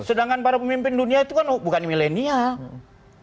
sedangkan para pemimpin dunia itu kan bukan milenial